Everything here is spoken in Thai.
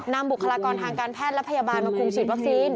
บุคลากรทางการแพทย์และพยาบาลมาคุมฉีดวัคซีน